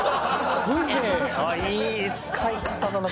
いい使い方だな。